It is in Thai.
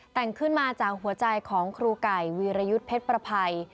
แต่งขึ้นมาจากหัวใจของครูไก่วีรยุทธ์เพชรประภัย